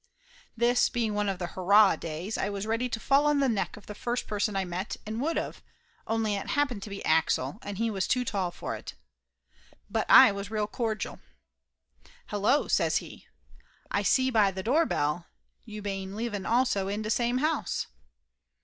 This being one of the hurrah days, I was ready to fall on the neck of the first person I met and would of, only it happened to be Axel, and he was too tall for it. But I was real cordial. "Hello!" says he. "Ay see by tha doorbell you bane living also in da same house!"